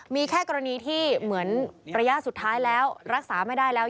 มีแค่กรณีที่เหมือนระยะสุดท้ายแล้วรักษาไม่ได้แล้ว